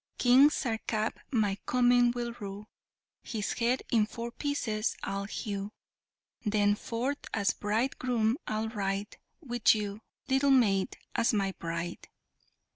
King Sarkap my coming will rue, His head in four pieces I'll hew; Then forth as a bridegroom I'll ride, With you, little maid, as my bride!"